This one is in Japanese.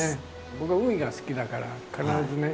僕は海が好きだから必ずね